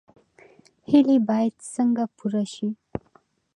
هیلې باید څنګه پوره شي؟